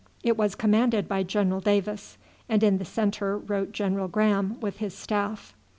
It was commanded by General Davis, and in its centre rode General Graham with his staff.